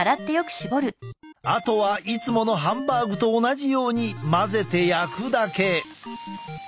あとはいつものハンバーグと同じように混ぜて焼くだけ。